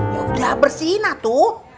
yaudah bersihin atu